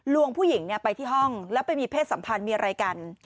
ผู้หญิงไปที่ห้องแล้วไปมีเพศสัมพันธ์มีอะไรกัน